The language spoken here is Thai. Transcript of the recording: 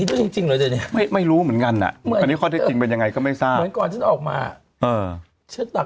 ก็จริงแหละไม่รู้เหมือนกันนะไอนี่คนให้เป็นยังไงก็ไม่ไซนนกอถออกมา